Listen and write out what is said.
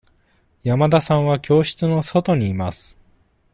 山田さんは教室の外にいます。